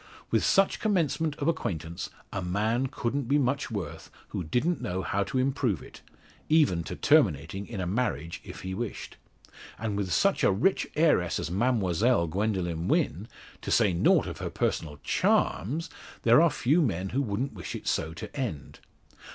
With such commencement of acquaintance, a man couldn't be much worth, who didn't know how to improve it even to terminating in marriage if he wished. And with such a rich heiress as Mademoiselle Gwendoline Wynn to say nought of her personal charms there are few men who wouldn't wish it so to end.